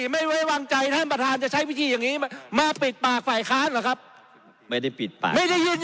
ไม่ได้ปิดปาก